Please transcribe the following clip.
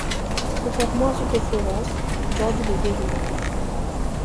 Contrairement à ceux de Florence, ils bordent les deux rives.